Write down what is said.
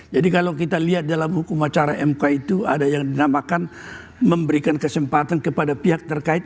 jadi kalau kita lihat dalam hukum acara mk itu ada yang dinamakan memberikan kesempatan kepada pihak terkait